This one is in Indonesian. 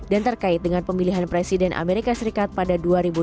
dan terkait dengan pemilihan presiden amerika serikat pada dua ribu dua puluh empat